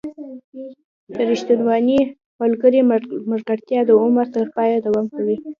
• د ریښتوني ملګري ملګرتیا د عمر تر پایه دوام کوي.